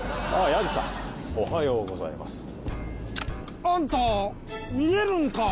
ヤジさんおはようございますあんた見えるんか？